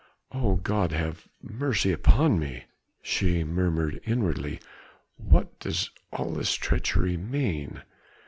"O God, have mercy upon me!" she murmured inwardly, "what does all this treachery mean?"